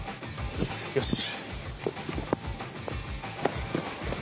よし。